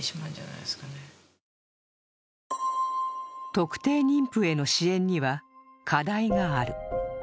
特定妊婦への支援には課題がある。